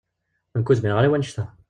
Nekk ur zmireɣ ara i wannect-a.